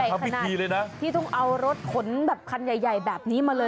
ธรรมพิธีเลยนะดูใหญ่ขนาดที่ต้องเอารถขนแบบคันใหญ่แบบนี้มาเลย